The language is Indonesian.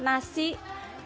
dengan nasi yang terbaik